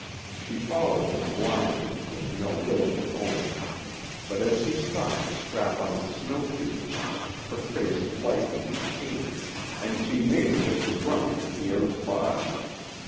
She followed him blindly with no will of her own, but, as he stopped to strap on his snowshoes, her face lightened with pain, and she made as if to run to Pierre's body.